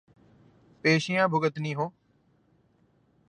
پیشیاں بھگتنی ہوں۔